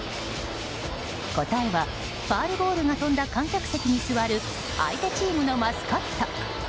答えはファウルボールが飛んだ観客席に座る相手チームのマスコット。